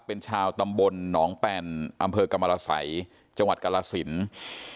เป็นชาวตำบลหนองแป่นอำเภอกรรมรสัยจังหวัดกรสิน